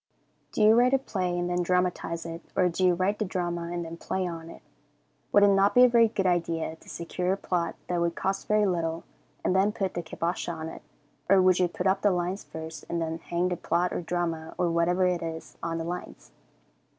Do you write a play and then dramatize it, or do you write the drama and then play on it? Would it not be a very good idea to secure a plot that would cost very little, and then put the kibosh on it, or would you put up the lines first, and then hang the plot or drama, or whatever it is, on the lines?